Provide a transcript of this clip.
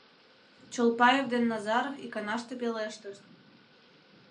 — Чолпаев ден Назаров иканаште пелештышт.